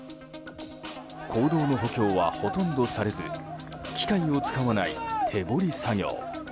坑道の補強はほとんどされず機械を使わない手彫り作業。